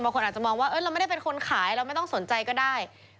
บางคนอาจจะมองว่าเราไม่ได้เป็นคนขายเราไม่ต้องสนใจก็ได้